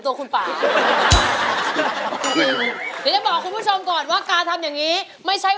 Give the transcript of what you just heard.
ถูกน้ำไหมกันเนี่ย